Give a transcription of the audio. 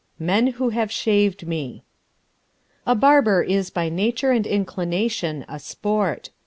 Men Who have Shaved Me A barber is by nature and inclination a sport.